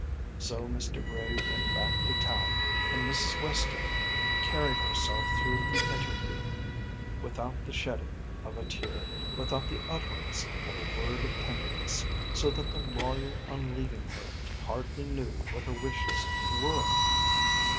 So Mr. Gray went back to town; and Mrs. Western carried herself through the interview without the shedding of a tear, without the utterance of a word of tenderness, so that the lawyer on leaving her hardly knew what her wishes were.